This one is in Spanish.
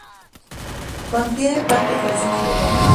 Contiene partes del centro de Londres.